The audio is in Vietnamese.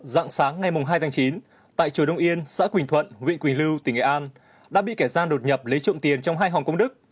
dạng sáng ngày hai tháng chín tại chùa đông yên xã quỳnh thuận huyện quỳnh lưu tỉnh nghệ an đã bị kẻ gian đột nhập lấy trộm tiền trong hai hòn công đức